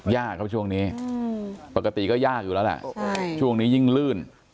ยากครับช่วงนี้ปกติก็ยากอยู่แล้วแหละช่วงนี้ยิ่งลื่น